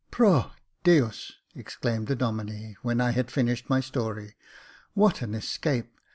"Proh! Deus!" exclaimed the Domine, when I had finished my story. What an escape